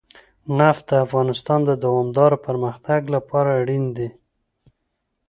نفت د افغانستان د دوامداره پرمختګ لپاره اړین دي.